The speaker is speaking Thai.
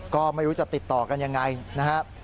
ก็ไม่รู้จะติดต่อกันยังไงนะครับ